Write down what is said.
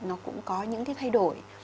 nó cũng có những cái thay đổi